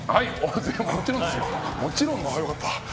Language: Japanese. もちろんですよ。良かった。